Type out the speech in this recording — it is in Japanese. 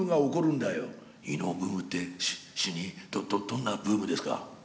「伊能ブームって主任どんなブームですか？」。